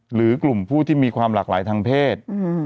หรือกลุ่มผู้ที่มีความหลากหลายทางเพศ